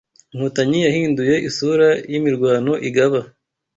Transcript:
Inkontanyi yahinduye isura y’imirwano igaba